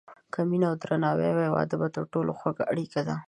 که مینه او درناوی وي، واده تر ټولو خوږه اړیکه ده.